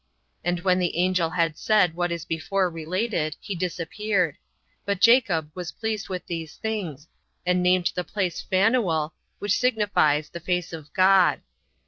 And when the angel had said what is before related, he disappeared; but Jacob was pleased with these things, and named the place Phanuel, which signifies, the face of God.